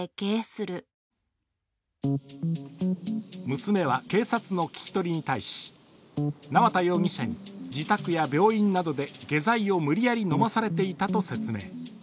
娘は警察の聞き取りに対し縄田容疑者に自宅や病院などで下剤を無理やり飲まされていたと説明。